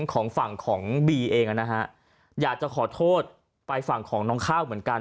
ของฝั่งของบีเองนะฮะอยากจะขอโทษไปฝั่งของน้องข้าวเหมือนกัน